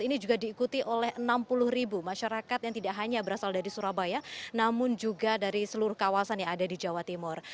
ini juga diikuti oleh enam puluh ribu masyarakat yang tidak hanya berasal dari surabaya namun juga dari seluruh kawasan yang ada di jawa timur